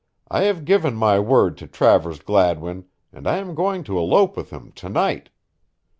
I have given my word to Travers Gladwin and I am going to elope with him to night.